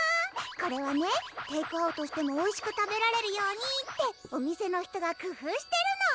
これはねテークアウトしてもおいしく食べられるようにってお店の人が工夫してるの！